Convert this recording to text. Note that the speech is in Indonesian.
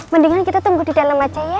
mendingan kita tunggu di dalam aja ya